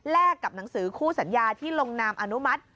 กับหนังสือคู่สัญญาที่ลงนามอนุมัติ